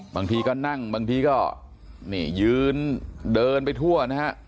บางทีก็นั่งบางทีก็นี่ยืนเดินไปทั่วนะฮะ